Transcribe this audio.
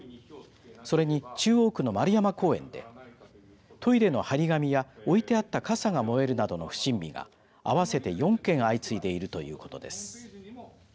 それに中央区の円山公園でトイレの張り紙や置いてあった傘が燃えるなどの不審火が合わせて４件相次いでいるということです。